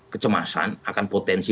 kecemasan akan potensi